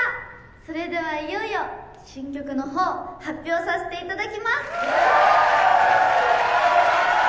それではいよいよ新曲の方発表させていただきます！